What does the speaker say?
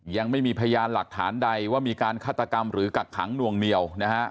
ยังไม่มีพยานหลักฐานใดว่ามีการฆาตกรรมหรือกักขังนวงเหนียวนะฮะ